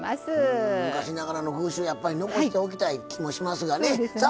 昔ながらの風習やっぱり残しておきたい気もしますがね。